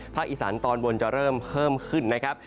อีสานตอนบนจะเริ่มเพิ่มขึ้นนะครับ